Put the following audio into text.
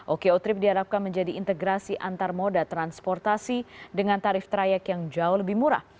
oko trip diharapkan menjadi integrasi antar moda transportasi dengan tarif trayek yang jauh lebih murah